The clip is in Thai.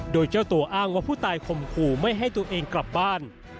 โดยเจ้าตัวอ้างว่าผู้ตายข่มขู่ไม่ให้ตัวเองกลับบ้าน